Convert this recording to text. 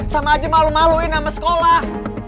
sama aja malu maluin sama sekolah